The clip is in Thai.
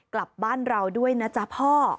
กลับบ้านเราด้วยนะจ๊ะพ่อ